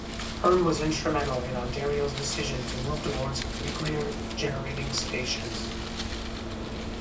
Hearn was instrumental in Ontario's decision to move towards nuclear generating stations.